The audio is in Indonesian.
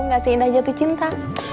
gak seindah jatuh cinta